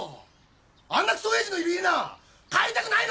あんなクソ親父のいる家な帰りたくないの！